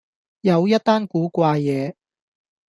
又一單古怪野